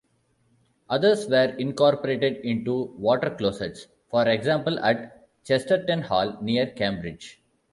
Others were incorporated into water closets, for example at Chesterton Hall, near Cambridge.